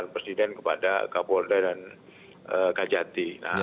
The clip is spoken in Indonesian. presiden kepada kapolda dan kajati